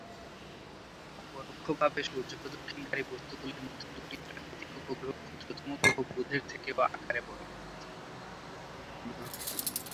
পরোক্ষভাবে সূর্য-প্রদক্ষিণকারী বস্তুগুলির মধ্যে দু’টি প্রাকৃতিক উপগ্রহ ক্ষুদ্রতম গ্রহ বুধের থেকেও আকারে বড়ো।